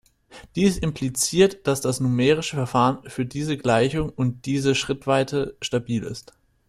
Dies impliziert, dass das numerische Verfahren für diese Gleichung und diese Schrittweite stabil ist.